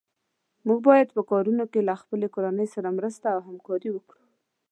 موږ باید په کارونو کې له خپلې کورنۍ سره مرسته او همکاري وکړو.